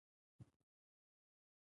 ګلان ولې اوبو ته اړتیا لري؟